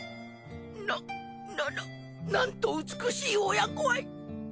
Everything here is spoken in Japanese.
ななななんと美しい親子愛。